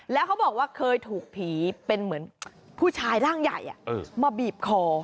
แล้วเขาบอกว่าเคยถูกผีเป็นเหมือนผู้ชายร่างใหญ่มาบีบคอ